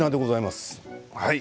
はい！